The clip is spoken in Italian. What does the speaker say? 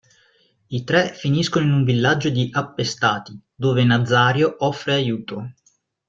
I tre finiscono in un villaggio di appestati, dove Nazario offre aiuto.